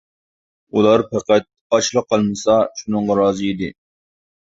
ئۇلار پەقەت ئاچلا قالمىسا شۇنىڭغا رازى ئىدى.